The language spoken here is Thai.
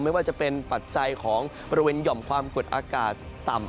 ไม่ว่าจะเป็นปัจจัยของบริเวณหย่อมความกดอากาศต่ำ